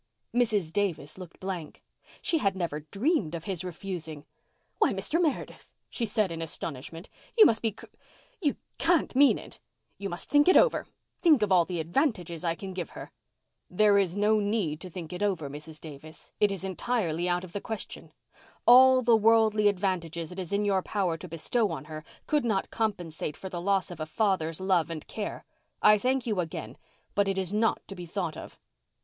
Mrs. Davis looked blank. She had never dreamed of his refusing. "Why, Mr. Meredith," she said in astonishment. "You must be cr—you can't mean it. You must think it over—think of all the advantages I can give her." "There is no need to think it over, Mrs. Davis. It is entirely out of the question. All the worldly advantages it is in your power to bestow on her could not compensate for the loss of a father's love and care. I thank you again—but it is not to be thought of."